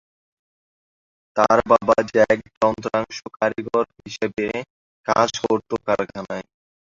তার বাবা জ্যাক যন্ত্রাংশ কারিগর হিসেবে কাজ করত কারখানায়।